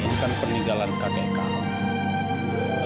ini kan peninggalan kakek kami